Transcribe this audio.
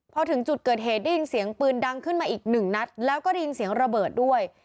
พอถึงจุดเกิดเหตุได้ยินเสียงปืนดังขึ้นมาอีกหนึ่งนัดแล้วก็ได้ยินเสียงระเบิดด้วย